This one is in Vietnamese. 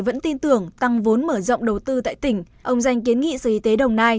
vẫn tin tưởng tăng vốn mở rộng đầu tư tại tỉnh ông danh kiến nghị sở y tế đồng nai